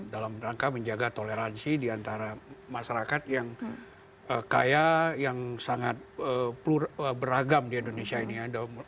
dalam rangka menjaga toleransi diantara masyarakat yang kaya yang sangat beragam di indonesia ini